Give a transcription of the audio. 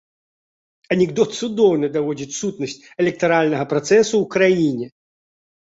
Анекдот цудоўна даводзіць сутнасць электаральнага працэсу ў краіне.